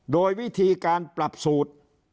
โดยวิธีการปรับสูตร